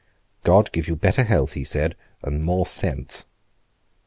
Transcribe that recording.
"God give you better health," he said, "and more sense."